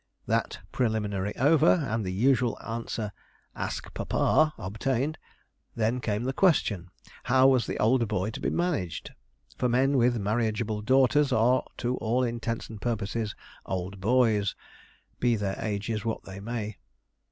That preliminary over, and the usual answer 'Ask papa' obtained, then came the question, how was the old boy to be managed? for men with marriageable daughters are to all intents and purposes 'old boys,' be their ages what they may.